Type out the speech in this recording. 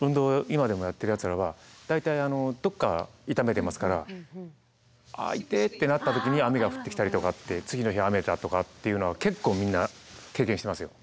今でもやってるやつらは大体どっか痛めてますからあ痛ってなった時に雨が降ってきたりとかって次の日雨だとかっていうのは結構みんな経験してますよ。